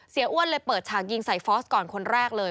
อ้วนเลยเปิดฉากยิงใส่ฟอสก่อนคนแรกเลย